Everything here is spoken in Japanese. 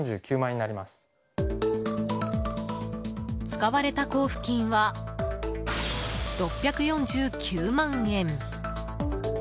使われた交付金は６４９万円。